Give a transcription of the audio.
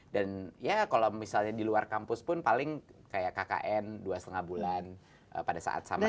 dan ya kalau misalnya di luar kampus pun paling kayak kkn dua lima bulan pada saat summer break